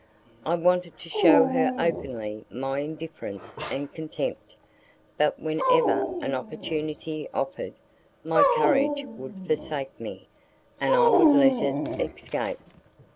I wanted to shew her openly my indifference and contempt, but whenever an opportunity offered, my courage would forsake me, and I would let it escape.